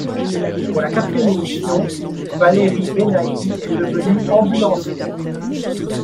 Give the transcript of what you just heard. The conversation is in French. Pour la quatrième émission, Valérie Bénaïm est devenue ambulancière.